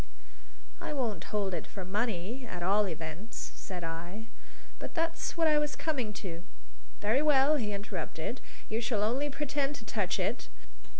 "I won't hold it for money, at all events," said I. "But that's what I was coming to." "Very well!" he interrupted. "You shall only pretend to touch it.